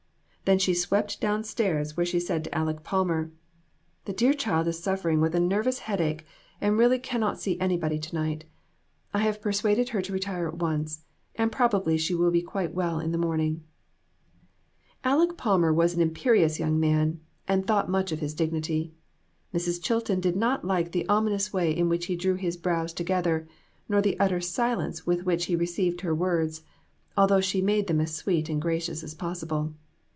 Then she swept down stairs, where she said to Aleck Palmer "The dear child is suffering with a nervous 296 AN EVENTFUL AFTERNOON. headache, and really cannot see anybody to night. I have persuaded her to retire at once, and proba bly she will be quite well in the morning." Aleck Palmer was an imperious young man, and thought much of his dignity. Mrs. Chilton did not like the ominous way in which he drew his brows together, nor the utter silence with which he received her words, although she made them as sweet and gracious as possible.